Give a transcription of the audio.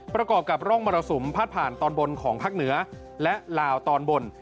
ประกอบกับร่องมรสุมพาดผ่านตอนบนของภาคเหนือและลาวตอนบน